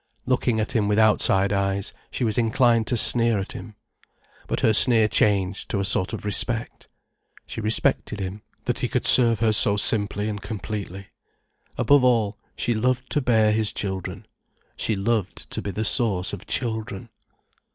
Looking at him with outside eyes, she was inclined to sneer at him. But her sneer changed to a sort of respect. She respected him, that he could serve her so simply and completely. Above all, she loved to bear his children. She loved to be the source of children.